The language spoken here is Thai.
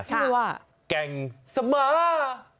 ชื่อว่าแก่งเสมอ